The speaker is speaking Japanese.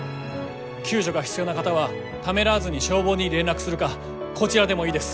救助が必要な方はためらわずに消防に連絡するかこちらでもいいです。